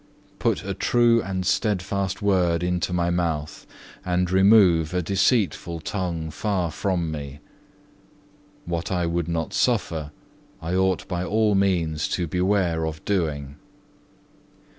Put a true and steadfast word into my mouth, and remove a deceitful tongue far from me. What I would not suffer, I ought by all means to beware of doing.